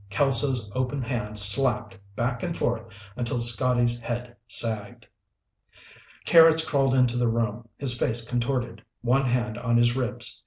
Kelso's open hand slapped, back and forth, until Scotty's head sagged. Carrots crawled into the room, his face contorted, one hand on his ribs.